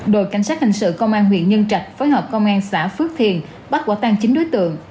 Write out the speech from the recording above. đội cảnh sát hành sự công an huyện nhân trạch phối hợp công an xã phước thiền bắt quả tang chính đối tượng